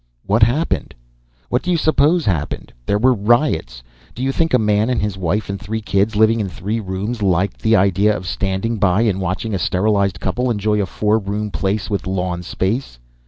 "What happened?" "What do you suppose happened? There were riots. Do you think a man and his wife and three kids, living in three rooms, liked the idea of standing by and watching a sterilized couple enjoy a four room place with lawn space?